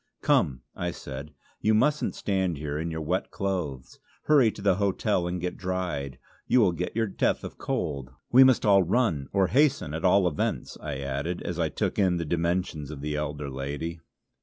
"Come," I said, "you mustn't stand here in your wet clothes. Hurry to the hotel and get dried. You will get your death of cold. We must all run! Or hasten, at all events!" I added, as I took in the dimensions of the elder lady.